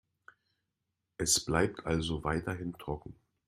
Es bleibt also weiterhin trocken.